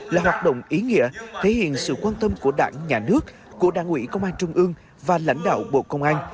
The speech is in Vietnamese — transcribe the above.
là hoạt động ý nghĩa thể hiện sự quan tâm của đảng nhà nước của đảng ủy công an trung ương và lãnh đạo bộ công an